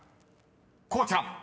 こうちゃん］